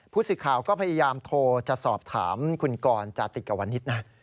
ผู้สื่อข่าวก็พยายามโทรจะสอบถามคุณกรจาติกวนิษฐ์นะ